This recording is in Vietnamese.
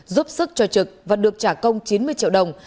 giúp sức cho trực và được trả công chín mươi triệu đồng